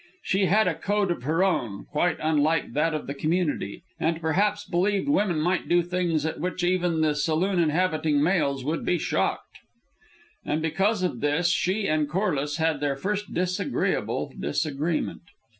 She had a code of her own, quite unlike that of the community, and perhaps believed woman might do things at which even the saloon inhabiting males would be shocked. And because of this, she and Corliss had their first disagreeable disagreement.